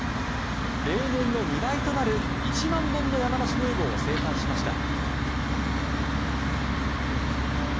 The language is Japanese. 例年の２倍となる１万本の山梨ヌーボーを生産しました。